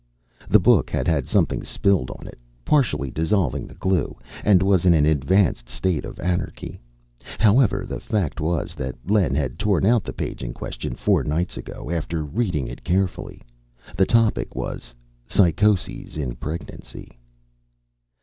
The book had had something spilled on it, partially dissolving the glue, and was in an advanced state of anarchy. However, the fact was that Len had torn out the page in question four nights ago, after reading it carefully. The topic was "Psychoses in Pregnancy."